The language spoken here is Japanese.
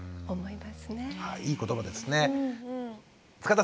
いい言葉ですね。